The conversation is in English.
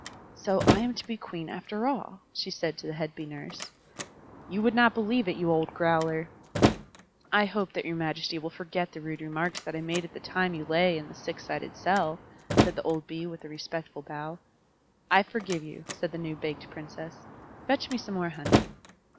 "So I am to be Queen after all," she said to the head Bee Nurse. "You would not believe it, you old growler!" "I hope that your majesty will forget the rude remarks that I made at the time you lay in the six sided cell," said the old Bee, with a respectful bow. "I forgive you," said the new baked Princess. "Fetch me some more honey."